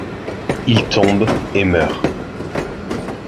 Il tombe et meurt.